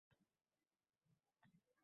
Shoiring ko’p ekan, ko’rdim